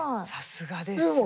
さすがです。